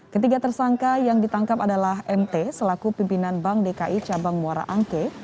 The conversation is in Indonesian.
ketiga tersangka yang ditangkap adalah mt selaku pimpinan bank dki cabang muara angke